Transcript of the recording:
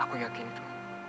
aku yakin itu